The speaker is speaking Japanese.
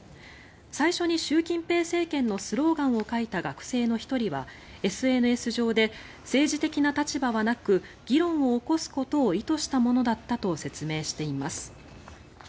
最初に習近平政権のスローガンを描いた学生の１人はＳＮＳ上で、政治的な立場はなく議論を起こすことを意図したものだったと説明しています。